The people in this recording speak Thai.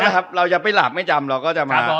ถ้าเราจะไปหลับไม่จำ